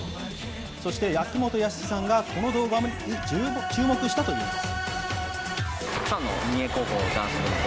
そして秋元康さんがこの動画に注目したというんです。